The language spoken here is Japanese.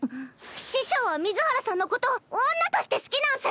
師匠は水原さんのこと女として好きなんス！